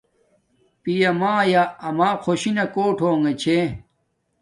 پیامایا اما خوشی نا کوٹ ہونگے چھے